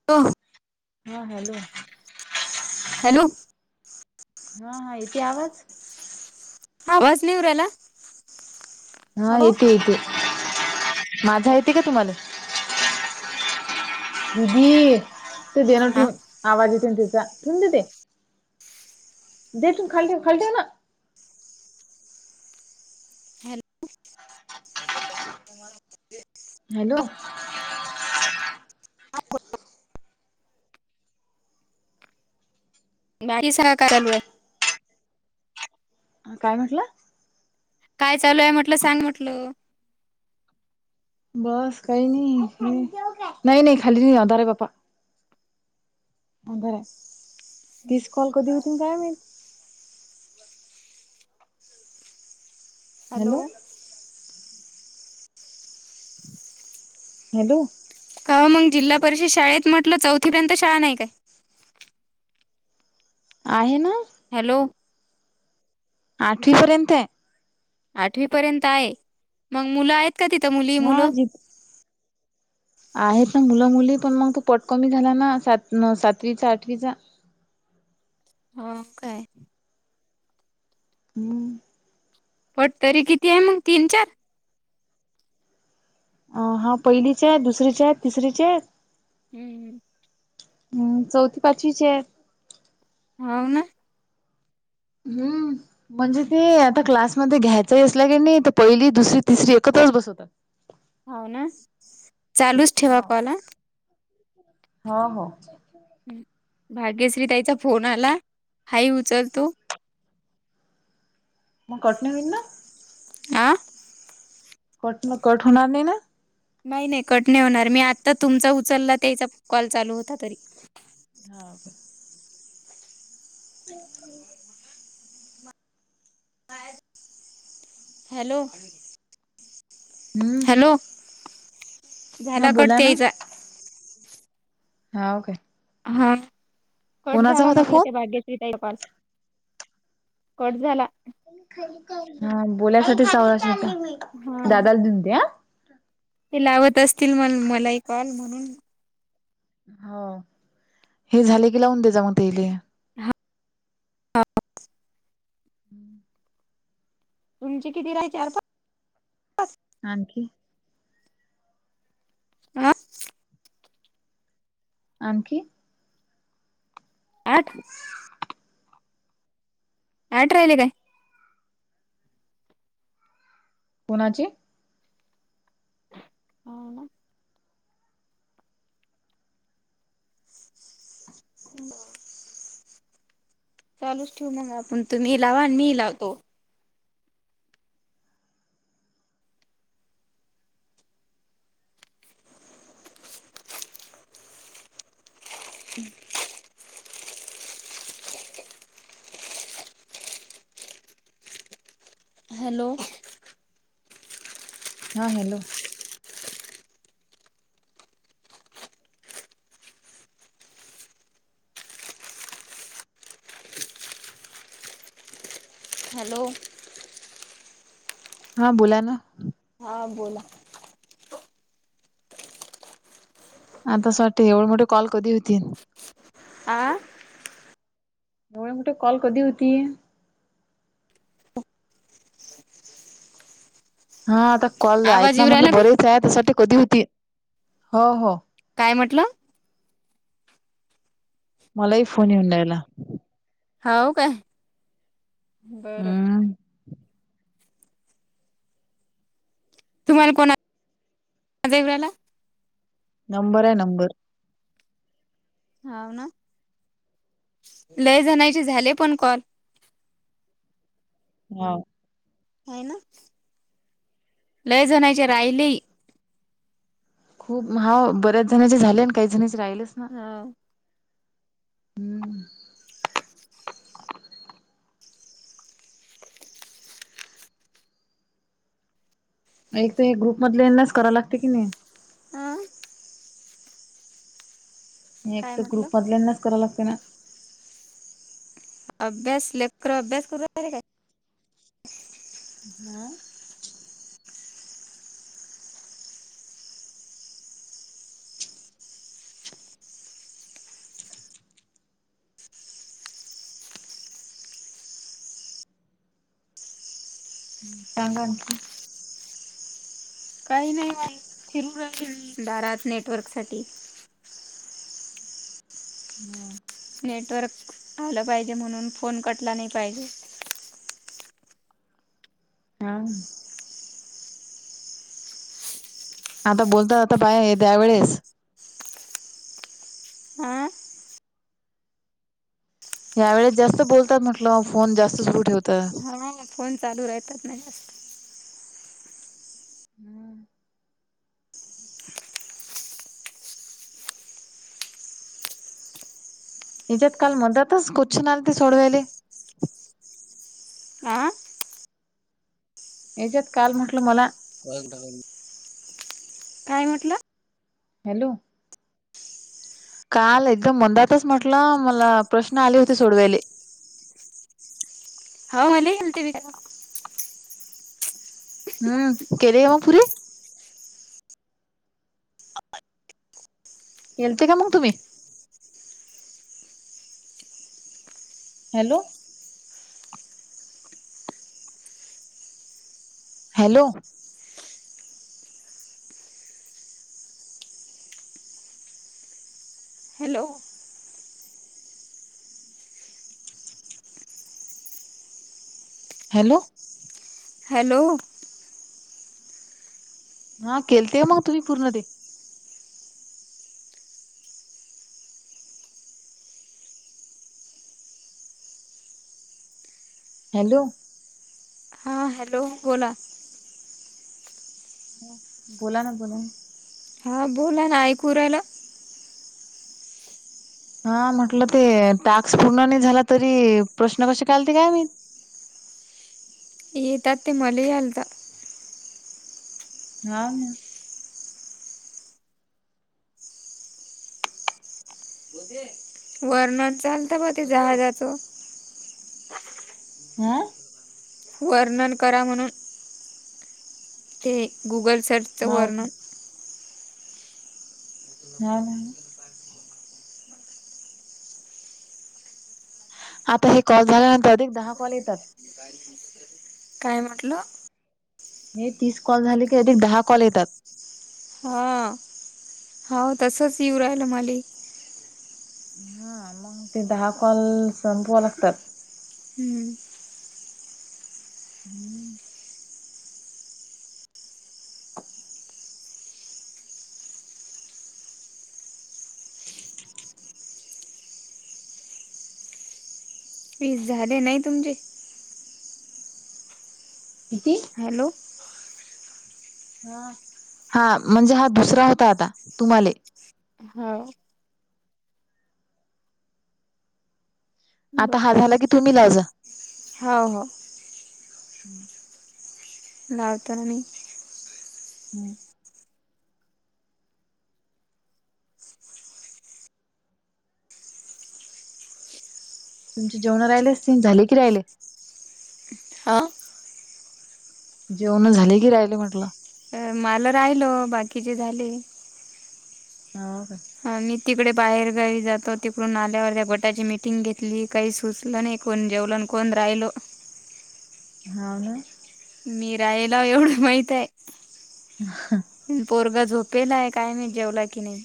[unintelligible] हा hello. Hello. हा हा. येतय आवाज? हा आवाज येवू नाही राहिला. हां. हॅलो येते येते. माझा येते का, तुम्हाला [unintelligible] ते बेणं हा ठेव आवाज येतोय ना तिचा ठेवून दे ते. देटून खाल ठेव खाल ठेव ना. Hello, [unintelligible] hello. [unintelligible] का चालू आहे. आ काय म्हटलं? काय चालू आहे म्हटलं सांग म्हटलं. बस काही नाही नाही नाही खाली नाही अंधार रे बापा. म बरं आहे, तीस कॉल कधी होतीन काय माहित. हॅलो. हॅलो. काव मंग जिल्हा परिषद शाळेत म्हटलं चौथीपर्यंत शाळा नाही काय? आहे ना! हॅलो. आठवी पर्यंत आहे. आठवी पर्यंत आहे, मंग मुलं आहेत का तिथं हा मुली-मुलं? जी आहेत ना मुलं मुली पण मग तो पोट कमी झाला ना सात म सातवीचा, आठवीचा. हो काय? हम्म. पट तरी किती आहे मग तीन चार? अ हा पहिलीच्या, दुसरीच्या, तिसरीच्या हम्म! हम्म चौथ पाचवीचे. हाव ना. हम्म. म्हणजे ते आता क्लासमध्ये घ्यायचाही असला की नाही ते पहिली, दुसरी, तिसरी एकत्रच बसवतात. हो ना चालूच ठेवा हो कॉल हा. हो हो. भाग्यश्री ताईचा फोन आला हाय उचल तू. म कट नाय होईन ना. आं कट न कट होणार नाही ना? नाही नाही कट नाही होणार मी आत्ता तुमचा उचलला त्याचा कॉल चालू होता तरी. हाव काय? [inaudible] हॅलो! हम्म. हॅलो झाला कट बोला ना. तेयचा. हाव काय. हा, कट कोणाचा झाला होता म्हटलं फोन? त्या बागे. [unintelligible] कट झाला. हा बोलासाठी [unintelligible] हा दादाला दिद दे हा. ते लावत असतील म मला ही कॉल म्हणून हो हे झाले की लावून दे जाऊन तेले. तुमची किती राहे चार पा आणखी आं आणखी आठ आठ राहिले काय? कोणाची? हो ना? बा [unintelligible] चालूच ठेवू मग आपण तुम्हीही लावा आणि मी हि लावतो. हम् [unintelligible] हॅलो! हा हॅलो! हॅलो! हा बोला ना. हा बोला. आता अस वाटते एवढं मोठे कॉल कधी होतील. आं? एवढ मोठे कॉल कध होती? हा आता कॉल आहेत आवाज ना येऊ म्हटलं राहिला काय बरेच आहे त्यासाठी कधी होती हो हो काय म्हटलं? मलाही फोन येऊन राहिला. होव काय बरं. ह [inaudible] तुम्हाला कोणा [unintelligible] देवराला? नंबर आहे नंबर. हाव ना? लय जणायचे झाले पण कॉल. हा. ह ना लय जणायचे राहिले. खूप हो बऱ्याच जण्याचे झाले आणि काही जणिचे राहिलेच नाही. हा. हम्म. एक ते एक ग्रुप मधले येण्याच कराव लागते की नाही. आ? एक काय तर म्हटलं? ग्रुपमधल्यांनाच कराव लागते ना. अभ्यास लेखर अभ्यास करून राहिले काय? हमम [unintelligible] सांगा आणखीन. काही नाही माई फिरू राहील दारात नेटवर्क साठी. हम् [unintelligible] नेटवर्क आलं पाहिजे म्हणून फोन कटला नाही पाहिजे. हा. आता बोलतात आता पाहे त्यावेेळेस आं यावेळेस जास्त बोलतात म्हटलं, फोन जास्त सुरू ठेवतं. हा. फोन चालू राहतात ना जास्त हम्म [unintelligible] इजत काल मदातच कुचनल ती सोडवेली [unintelligible] आं? याच्यात काल म्हटलं मला काय म्हटलं? हॅलो. काल एकदम मंदातच म्हटलं, मला प्रश्न आले होते सोडवाले. हो मणे हलतीव का [unintelligible] हम्म केले मग पुरी? केलते का मग तुम्ही? Hello. Hello. Hello. Hello. Hello. हा केलते मग तुम्ही पूर्ण ते? हॅलो. हा हॅलो बोला. बोला ना बोला ना. हा बोला ना ऐकूरायला. हा म्हटलं ते टाक्स पूर्ण नाही झाला तरी प्रश्न कसे काय आलते काय माहित. येतात ते मले ही आलता. हाव ना. होते वर्णन चालत ब ते जहाजाचा. हां वर्णन करा म्हणून ते गुगल सर्चचं वर्णन. हा हाव ना. [inaudible] आता हे कॉल झाल्यानंतर अधिक दहा कॉल येतात. काय मी म्हटलं हे तीस कॉल झाले की अधिक दहा कॉल येतात. हा. हाव तसच येऊ राहिलं मले. हा मंग ते दहा कॉल संपवा लागतात. हम्म. हम्म. फीस झाले नाही तुमचे? किती हॅलो. हा हा म्हणजे हा दुसरा होता आता तुम्हाले. हाव. आता हा बघते झाला की तुम्ही लावजा. हाव हाव. नाव तर आणि [unintelligible] तुमचे जेवणं राहिले असतील झाले की राहिले? हा. जेवणं झाले की राहिले म्हटलं. अ मला राहिलो बाकीचे झाले. हाव का हा मी तिकडे बाहेर गावी जातो तिकडून आल्यावर त्या घटाची मीटिंग घेतली काही सुचलं नाही. कोण जेवलन आणि कोण राहिलं. हाव ना. मी राहीला एवढं माहित आहे. ह ह. पोरगा झोपेलाय काय माहित जेवलाय की नाही.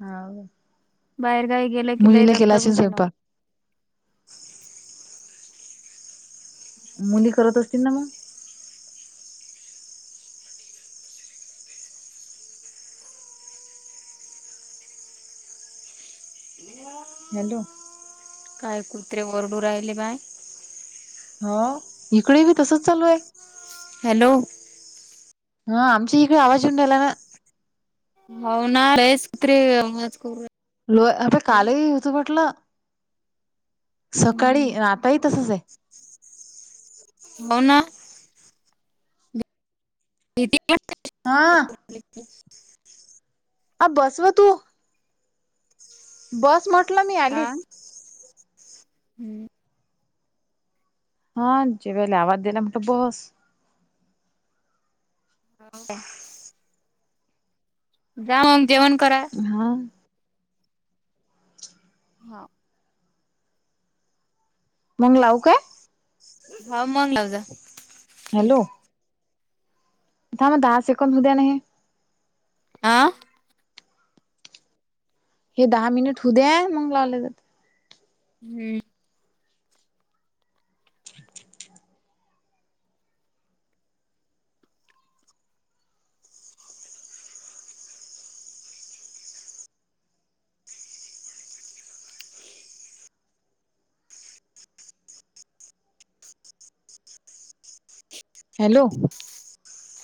हाव. बाहेरगावी गेलं कि लय मुलीला केला दबदब असेल होते ना. स्वयंपाक मुली करत असतील ना म. [inaudible] हॅलो. काय कुत्रे वोरडू राहिले बाय. ह इकडे बी तसच चालू आहे. हॅलो! हा आमचा इकडे आवाज येऊन राहिला. हो ना रेस कु.. लो आता काल ही होतं म्हटलं सकाळी आताही तसच आहे. मघ ना. हा [unintelligible] आ बसव तू. बस म्हटलं मी हा आलीस. हम्म. हा जेवयला आवाज दिला म्हटलं बस. हो का जा मग जेवण करा. हा. हाथ मग लावू काय. हा मंग लाव जा. ठीक हॅलो. थांबा दहा सेकंद होऊ द्या नाही. आं. हे दहा मिनिट होऊ दे मग लावले जातं. हम्म. हॅलो.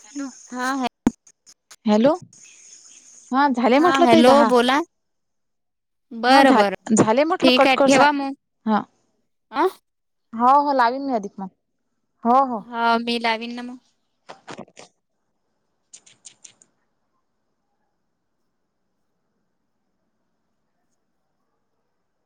हॅलो हा ह हॅलो हा झाले म्हटलं ताई हॅलो दहा. बोला हा बरं झा बरं झाले म्हटलं ठीक कट आहे करू साय ठेवा मग हा. अ हो हो लावीन मी अधिक मग. हो हो हा मी लावीन ना मग.